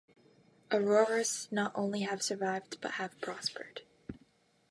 Aroras not only have survived but have prospered.